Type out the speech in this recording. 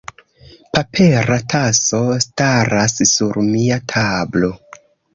Papera taso staras sur mia tablo.